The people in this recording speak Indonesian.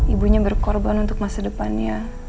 ibunya berkorban untuk masa depannya